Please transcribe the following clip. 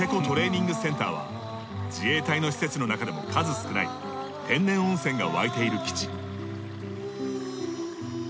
トレーニングセンターは自衛隊の施設の中でも数少ない天然温泉が湧いている基地。